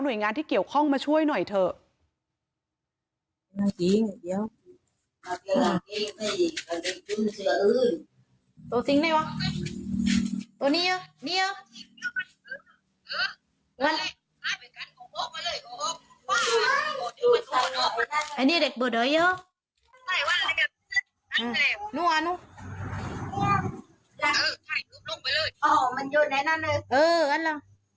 โดยงานที่เกี่ยวข้องมาช่วยหน่อยเถอะ